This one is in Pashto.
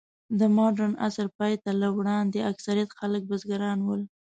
د مډرن عصر پای ته له وړاندې، اکثره خلک بزګران ول.